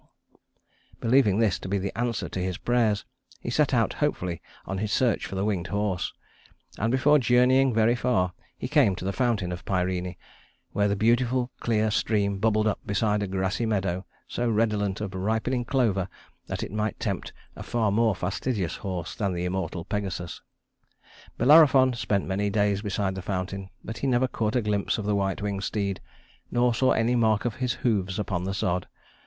Believing this to be the answer to his prayers, he set out hopefully on his search for the winged horse; and before journeying very far, he came to the fountain of Pirene, where the beautiful, clear stream bubbled up beside a grassy meadow so redolent of ripening clover that it might tempt a far more fastidious horse than the immortal Pegasus. Bellerophon spent many days beside the fountain, but he never caught a glimpse of the white winged steed, nor saw any mark of his hoofs upon the sod.